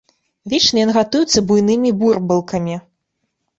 Вечна ён гатуецца буйнымі бурбалкамі.